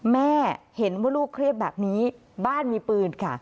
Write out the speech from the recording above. แม่เห็นว่าลูกเครียดแบบนี้บ้านมีปืนค่ะ